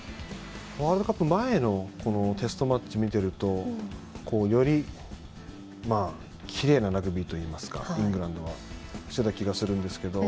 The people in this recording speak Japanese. ワールドカップ前のテストマッチを見ているとよりきれいなラグビーといいますかイングランドはしてたと思うんですけど。